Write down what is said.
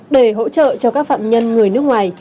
để hỗ trợ cho các phạm nhân người nước ngoài